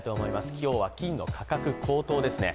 今日は金の価格高騰ですね。